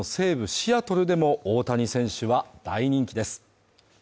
シアトルでも大谷選手は大人気です。